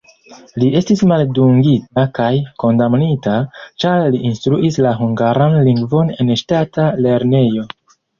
Li estis maldungita kaj kondamnita, ĉar li instruis la hungaran lingvon en ŝtata lernejo.